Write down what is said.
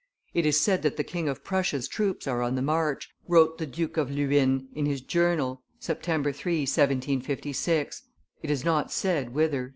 "It is said that the King of Prussia's troops are on the march," wrote the Duke of Luynes in his journal (September 3, 1756); "it is not said whither."